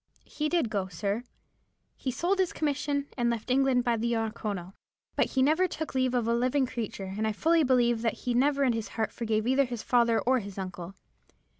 "He did go, sir,—he sold his commission, and left England by the Oronoko. But he never took leave of a living creature, and I fully believe that he never in his heart forgave either his father or his uncle.